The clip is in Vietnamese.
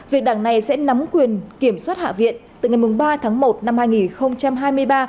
việc đảng này sẽ nắm quyền kiểm soát hạ viện từ ngày ba tháng một năm hai nghìn hai mươi ba